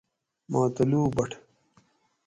ماتلو بٹ